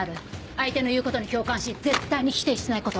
相手の言うことに共感し絶対に否定しないこと。